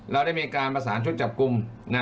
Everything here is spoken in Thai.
เราได้มีการประสานชุดจับกลุ่ม